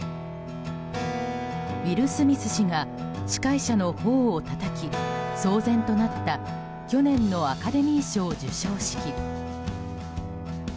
ウィル・スミス氏が司会者の頬をたたき騒然となった去年のアカデミー賞授賞式。